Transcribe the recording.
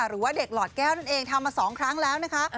หรือว่าเด็กหลอดแก้วนั่นเองทำมา๒ครั้งแล้วนะคะ